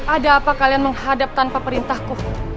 ada apa kalian menghadap tanpa perintahku